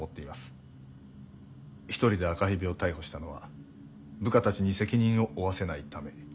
１人で赤蛇を逮捕したのは部下たちに責任を負わせないため。